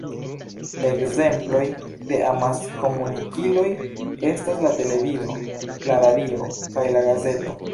Ekzemploj de amaskomunikiloj estas la televido, la radio, kaj la gazeto.